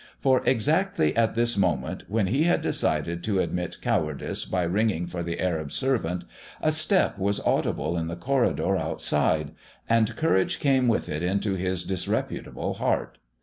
For, exactly at this moment, when he had decided to admit cowardice by ringing for the Arab servant, a step was audible in the corridor outside, and courage came with it into his disreputable heart.